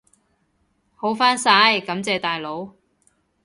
好返晒，感謝大佬！